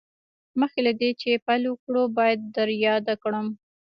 مخکې له دې چې پیل وکړو باید در یاده کړم